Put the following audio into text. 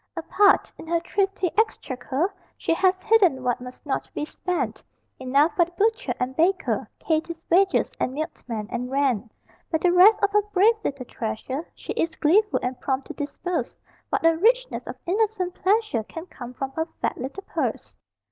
Apart, in her thrifty exchequer, She has hidden what must not be spent: Enough for the butcher and baker, Katie's wages, and milkman, and rent; But the rest of her brave little treasure She is gleeful and prompt to disburse What a richness of innocent pleasure Can come from her fat little purse!